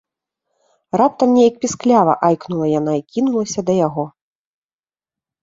— раптам неяк пісклява айкнула яна і кінулася да яго.